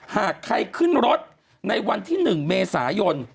หากใครขึ้นรถในวันที่๑เมษายน